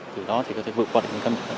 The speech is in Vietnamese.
từ đó thì có thể vượt qua định tâm